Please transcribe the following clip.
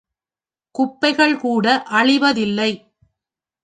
குப்பைகள் கூட அழிவதில்லை.